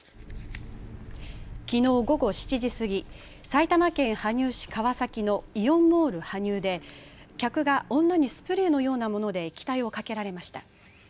きのう午後７時過ぎ、埼玉県羽生市川崎のイオンモール羽生で客が女にスプレーのようなもので液体をかけられました。